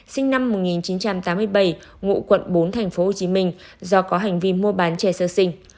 sinh năm một nghìn chín trăm tám mươi bảy ngụ quận bốn tp hcm do có hành vi mua bán trẻ sơ sinh